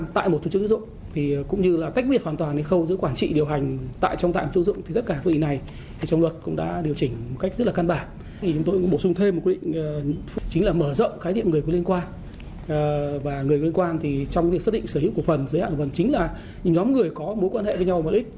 trong việc xác định sở hữu cổ phần giới hạn của tổ chức tín dụng chính là nhóm người có mối quan hệ với nhau một ít